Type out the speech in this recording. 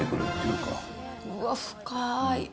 うわっ、深い。